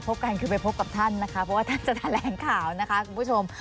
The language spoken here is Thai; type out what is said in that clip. กันคือไปพบกับท่านนะคะเพราะว่าท่านจะแถลงข่าวนะคะคุณผู้ชม